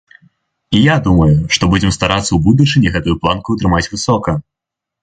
І я думаю, што будзем старацца ў будучыні гэтую планку трымаць высока.